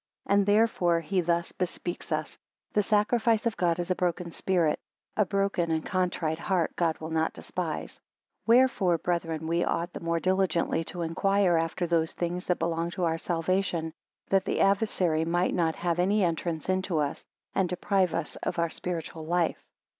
12 And therefore he thus bespeaks us, The sacrifice of God (is a broken spirit,) a broken and contrite heart God will not despise. 13 Wherefore brethren, we ought the more diligently to inquire after those things that belong to our salvation, that the adversary may not have any entrance into us, and deprive us of our spiritual life.